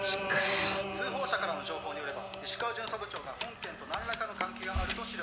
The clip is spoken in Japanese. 通報者からの情報によれば石川巡査部長が本件と何らかの関係があると思量される。